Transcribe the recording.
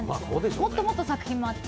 もっともっと作品もあって。